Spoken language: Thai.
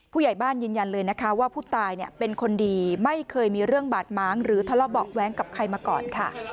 ผู้ใหญ่บ้านยืนยันเลยนะคะว่าผู้ตายเป็นคนดีไม่เคยมีเรื่องบาดม้างหรือทะเลาะเบาะแว้งกับใครมาก่อนค่ะ